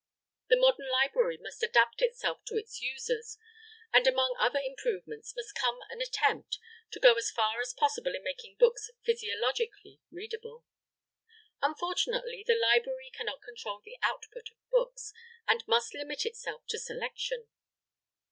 The modern library must adapt itself to its users, and among other improvements must come an attempt to go as far as possible in making books physiologically readable. Unfortunately the library cannot control the output of books, and must limit itself to selection.